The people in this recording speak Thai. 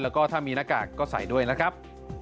แล้วก็ถ้ามีหน้ากากก็ใส่ด้วยนะครับ